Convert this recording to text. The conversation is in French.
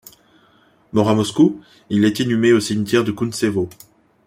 Mort à Moscou, il est inhumé au cimetière de Kountsevo.